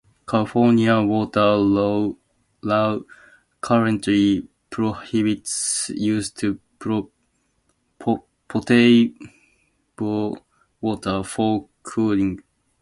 California water law currently prohibits use of potable water for cooling.